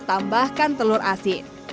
tambahkan telur asin